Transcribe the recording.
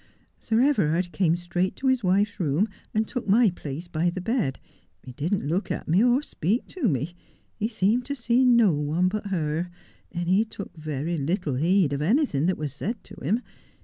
Sir Everard came straight to his wife's room, and took my place by the bed. He did not look at me, or speak to me. He seemed to see no one but her ; and he took very little heed of anything that was said to him.